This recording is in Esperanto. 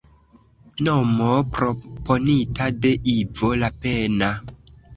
Nomo proponita de Ivo Lapenna.